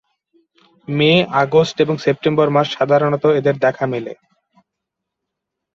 মে, August এবং September মাসে সাধারণত এদের দেখা মেলে।